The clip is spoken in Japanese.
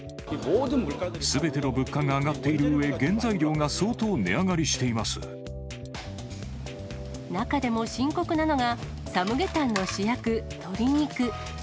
すべての物価が上がっているうえ、中でも深刻なのが、サムゲタンの主役、鶏肉。